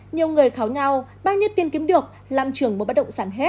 nhiều người kháo nhau bao nhiêu tiền kiếm được lam trường một bãi động sản hết